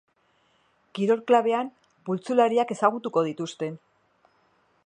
Kirol klabean pultsulariak ezagutuko dituzte.